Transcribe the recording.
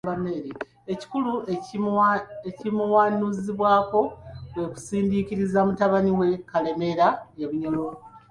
Ekikulu ekimuwanuuzibwako kwe kusindiikiriza mutabani we Kalemeera e Bunyoro.